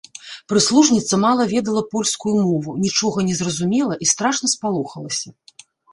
Прыслужніца мала ведала польскую мову, нічога не зразумела і страшна спалохалася.